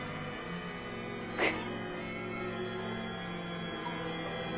くっ。